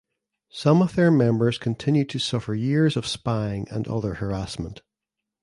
Some of their members continued to suffer years of spying and other harassment.